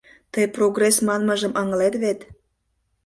Тый прогресс манмыжым ыҥлет вет?